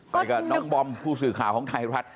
ไปกับน้องบอมผู้สื่อข่าวของไทยรัฐ